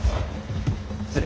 失礼。